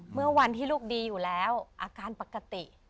เมื่อวันที่ลูกดีอยู่แล้วอาการปกติ